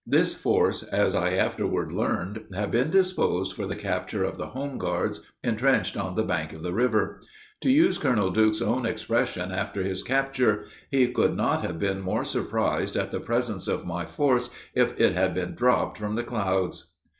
This force, as I afterward learned, had been disposed for the capture of the home guards, intrenched on the bank of the river. To use Colonel Duke's own expression after his capture, "He could not have been more surprised at the presence of my force if it had been dropped from the clouds."